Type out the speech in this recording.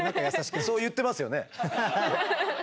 そう言ってますよね？